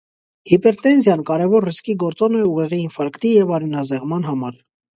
Հիպերտենզիան կարևոր ռիսկի գործոն է ուղեղի ինֆարկտի և արյունազեղման համար։